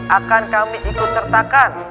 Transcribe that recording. akan kami ikut sertakan